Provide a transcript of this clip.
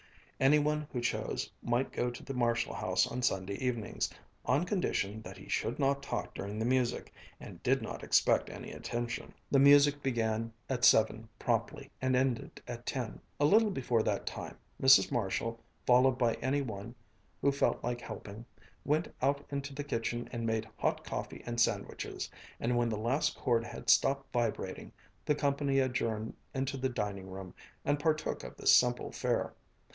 Any one who chose might go to the Marshall house on Sunday evenings, on condition that he should not talk during the music, and did not expect any attention. The music began at seven promptly and ended at ten. A little before that time, Mrs. Marshall, followed by any one who felt like helping, went out into the kitchen and made hot coffee and sandwiches, and when the last chord had stopped vibrating, the company adjourned into the dining room and partook of this simple fare.